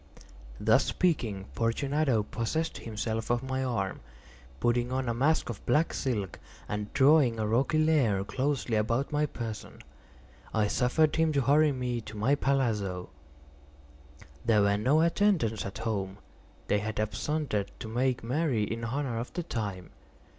Thus speaking, Fortunato possessed himself of my arm. Putting on a mask of black silk, and drawing a roquelaire closely about my person, I suffered him to hurry me to my palazzo. There were no attendants at home; they had absconded to make merry in honor of the time.